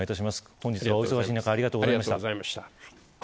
本日はお忙しい中ありがとうございました。